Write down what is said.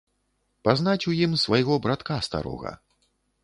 Пазнаць у ім свайго братка старога.